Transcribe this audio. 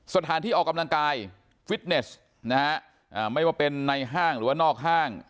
สถานที่ออกกำลังกายฟิตเนสนะฮะไม่ว่าเป็นในห้างหรือว่านอกห้าง